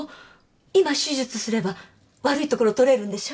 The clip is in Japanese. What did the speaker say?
今手術すれば悪いところ取れるんでしょ？